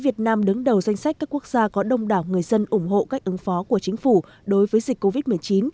việt nam đứng đầu danh sách các quốc gia có đông đảo người dân ủng hộ cách ứng phó của chính phủ đối với dịch covid một mươi chín